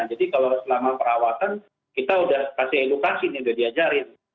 jadi kalau selama perawatan kita sudah kasih edukasi ini sudah diajarin